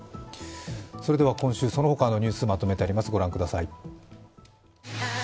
それではそのほかの今週のニュースをまとめてあります。